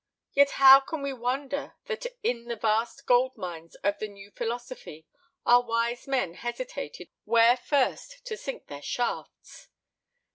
Yet how can we wonder that in the vast gold mines of the new philosophy our wise men hesitated where first to sink their shafts?